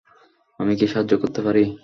আমি কি সাহায্য করতে পারি?